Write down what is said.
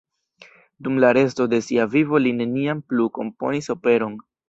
Dum la resto de sia vivo li neniam plu komponis operon.